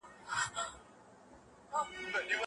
ایلټک په خپل کتاب کي د ساینس په ګټو خبري کړي دي.